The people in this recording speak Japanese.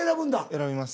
選びます。